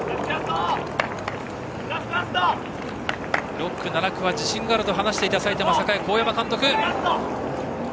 ６区、７区は自信があると話していた埼玉栄の神山監督。